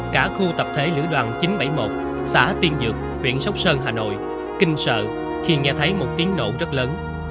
cả khu tập thể lữ đoàn chín trăm bảy mươi một xã tiên dược huyện sóc sơn hà nội kinh sợ khi nghe thấy một tiếng nổ rất lớn